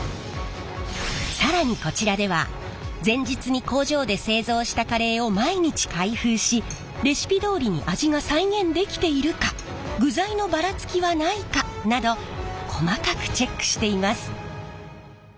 更にこちらでは前日に工場で製造したカレーを毎日開封しレシピどおりに味が再現できているか具材のばらつきはないかなど細かくチェックしています。